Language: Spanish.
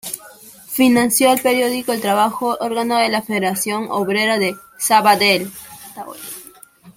Financió el periódico "El Trabajo", órgano de la Federación Obrera de Sabadell.